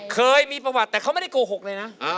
เคยมีประวัติแต่เขาไม่ได้โกหกเลยนะ